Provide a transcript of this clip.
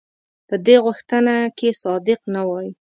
په دې غوښتنه کې صادق نه وای.